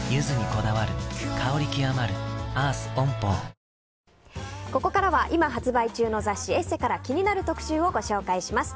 ここからは今、発売中の雑誌「ＥＳＳＥ」から気になる特集をご紹介します。